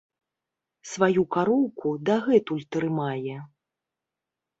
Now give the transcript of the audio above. Сваю кароўку дагэтуль трымае.